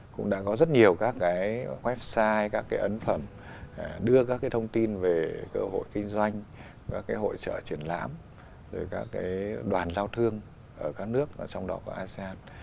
cũng đã có rất nhiều các website các ấn phẩm đưa các thông tin về cơ hội kinh doanh các hội trợ triển lãm các đoàn giao thương ở các nước trong đó có asean